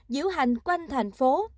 diễu hành quanh thành phố